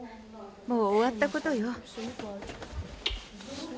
もう終わったことよ。